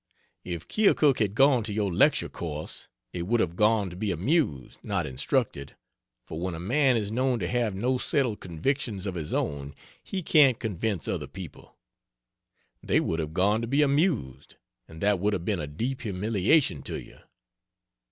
If Keokuk had gone to your lecture course, it would have gone to be amused, not instructed, for when a man is known to have no settled convictions of his own he can't convince other people. They would have gone to be amused and that would have been a deep humiliation to you.